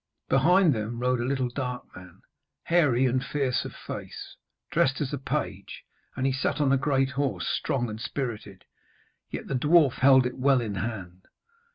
Behind them rode a little dark man, hairy and fierce of face, dressed as a page; and he sat on a great horse, strong and spirited, yet the dwarf held it well in hand.